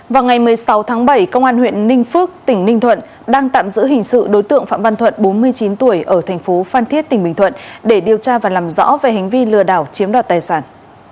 vào ngày một mươi sáu tháng bảy công an huyện ninh phước tỉnh ninh thuận đang tạm giữ hình sự đối tượng phạm văn thuận bốn mươi chín tuổi ở thành phố phan thiết tỉnh bình thuận để điều tra và làm rõ về hành vi lừa đảo chiếm đoạt tài sản